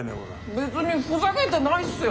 別にふざけてないっすよ。